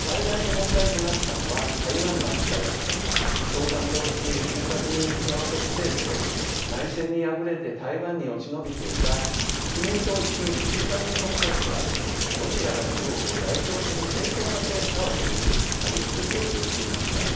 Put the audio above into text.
共産党率いる中華人民共和国政府と内戦に敗れて台湾に落ち延びていた国民党率いる中華民国政府はどちらが中国を代表する正統な政府かを巡り激しく競争していました。